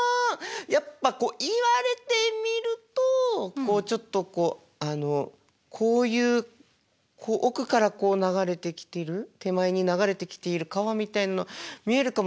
やっぱこう言われてみるとこうちょっとこうこういう奥からこう流れてきてる手前に流れてきている川みたいな見えるかもしれないですけど。